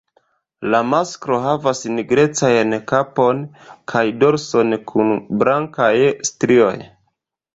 La masklo havas nigrecajn kapon kaj dorson kun blankaj strioj.